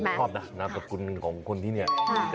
เออผมชอบนะประกุลของคนที่เนี่ย